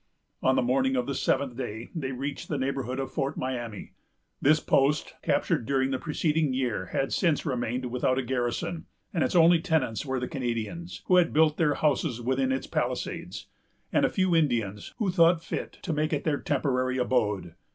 On the morning of the seventh day, they reached the neighborhood of Fort Miami. This post, captured during the preceding year, had since remained without a garrison; and its only tenants were the Canadians, who had built their houses within its palisades, and a few Indians, who thought fit to make it their temporary abode.